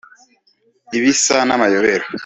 ibisa n’amayobera